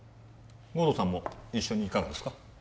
護道さんも一緒にいかがですか？